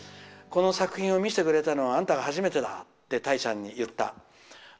この作品を見せてくれたのはあんたが初めてだって泰ちゃんに言った。